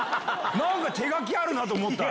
何か手書きあるなと思ったら。